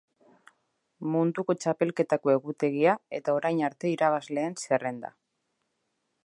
Munduko txapelketako egutegia eta orain arteko irabazleen zerrenda.